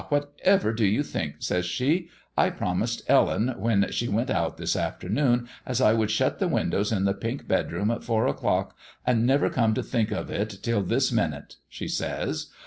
whatever do you think?' says she; 'I promised Ellen when she went out this afternoon as I would shut the windows in the pink bedroom at four o'clock, and never come to think of it till this minute,' she says.